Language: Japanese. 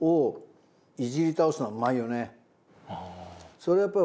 それはやっぱり。